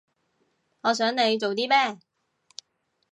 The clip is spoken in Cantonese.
我想你做啲咩